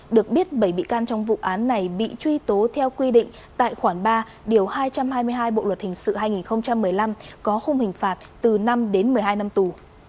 được biết bảy bị can trong vụ án này bị truy tố theo quy định tại khoản ba điều hai trăm hai mươi hai bộ luật hình sự hai nghìn một mươi năm có khung hình phạt từ năm đến một mươi hai năm tù